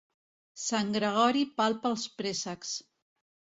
Sant Gregori palpa els préssecs.